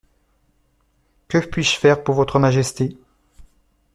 Que puis-je faire pour Votre Majesté ?